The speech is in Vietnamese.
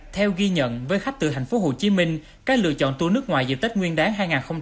theo ghi nhận với khách từ thành phố hồ chí minh các lựa chọn tour nước ngoài dịp tết nguyên đáng hai nghìn hai mươi bốn